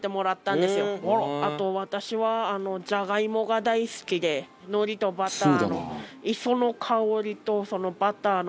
あと私はじゃがいもが大好きで海苔とバターの。